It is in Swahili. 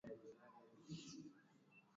Majeraha kwenye mdomo na mwanya wa kwato